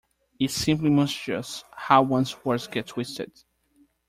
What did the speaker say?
It's simply monstrous how one's words get twisted.